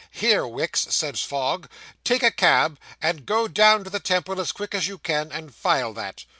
"Here, Wicks," says Fogg, "take a cab, and go down to the Temple as quick as you can, and file that.